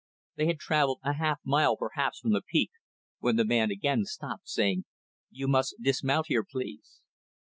They had traveled a half mile, perhaps, from the peak, when the man again stopped, saying, "You must dismount here, please."